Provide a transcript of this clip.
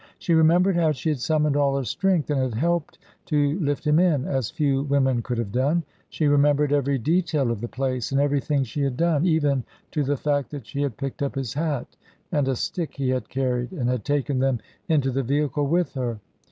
She remembered how she had summoned all her strength and had helped to lift him in, as few women could have done. She remembered every detail of the place, and everything she had done, even to the fact that she had picked up his hat and a stick he had carried and had taken them into the vehicle with her.